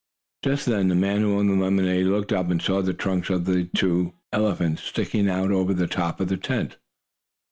Just then the man who owned the lemonade looked up, and saw the trunks of the two elephants sticking out over the top of the tent.